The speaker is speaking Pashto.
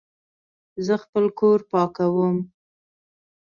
زه خپل کور پاکوم